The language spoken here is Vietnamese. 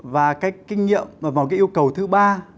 và một cái yêu cầu thứ ba